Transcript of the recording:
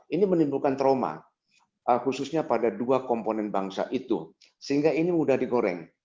ini menimbulkan trauma khususnya pada dua komponen bangsa itu sehingga ini mudah digoreng